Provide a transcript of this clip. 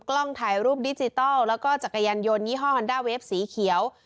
กล้องถ่ายรูปดิจิทัลแล้วก็จักรยานยนต์ยี่ห้อฮอนด้าเวฟสีเขียว